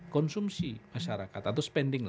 konsumsi masyarakat atau spending